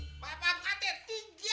apa apaan katanya tiga pejamretnya